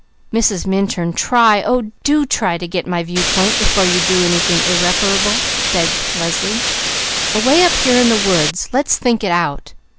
"Mrs. Minturn, try, oh do try to get my viewpoint before you do anything irreparable," begged Leslie. "Away up here in the woods let's think it out!